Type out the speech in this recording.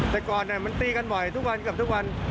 แต่ก่อนมันตีกันบ่อยทุกวันเกือบทุกวัน